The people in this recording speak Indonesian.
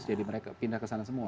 jadi mereka pindah kesana semua